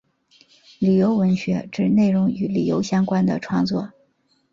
旅游文学指内容与旅游相关的创作。